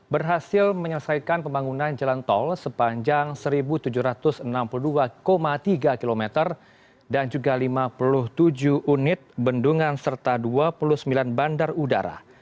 berhasil menyelesaikan pembangunan jalan tol sepanjang satu tujuh ratus enam puluh dua tiga km dan juga lima puluh tujuh unit bendungan serta dua puluh sembilan bandar udara